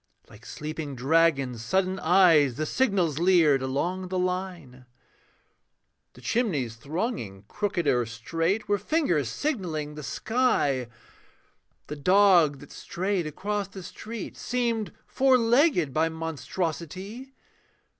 Like sleeping dragon's sudden eyes The signals leered along the line. The chimneys thronging crooked or straight Were fingers signalling the sky; The dog that strayed across the street Seemed four legged by monstrosity.